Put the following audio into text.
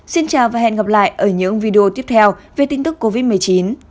xin chào và hẹn gặp lại ở những video tiếp theo về tin tức covid một mươi chín